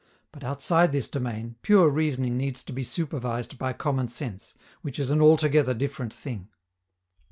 But, outside this domain, pure reasoning needs to be supervised by common sense, which is an altogether different thing.